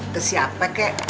ke siapa kek